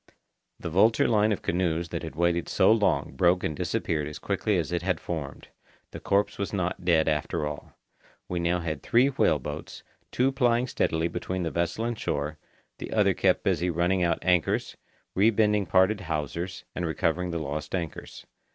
The vulture line of canoes that had waited so long broke and disappeared as quickly as it had formed. The corpse was not dead after all. We now had three whale boats, two plying steadily between the vessel and shore, the other kept busy running out anchors, rebending parted hawsers, and recovering the lost anchors.